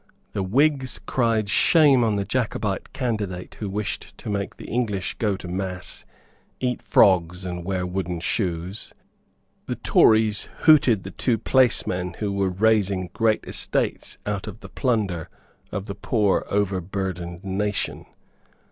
The Whigs cried shame on the Jacobite candidate who wished to make the English go to mass, eat frogs and wear wooden shoes. The Tories hooted the two placemen who were raising great estates out of the plunder of the poor overburdened nation.